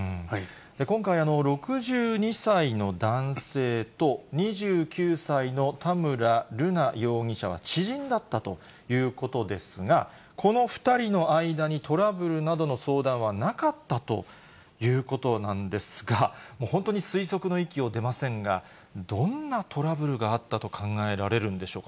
今回、６２歳の男性と２９歳の田村瑠奈容疑者は知人だったということですが、この２人の間にトラブルなどの相談はなかったということなんですが、もう本当に推測の域を出ませんが、どんなトラブルがあったと考えられるんでしょうか。